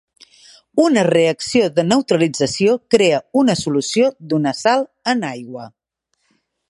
Una reacció de neutralització crea una solució d'una sal en aigua.